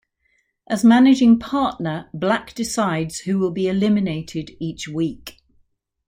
As managing partner, Black decides who will be eliminated each week.